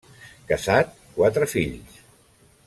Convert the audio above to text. Casat, quatre fills.